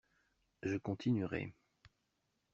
Je continuerai